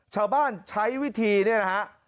ชาวบ้านใช้วิธีเนี่ยนะฮะ